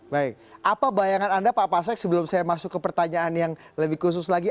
baik apa bayangan anda pak pasek sebelum saya masuk ke pertanyaan yang lebih khusus lagi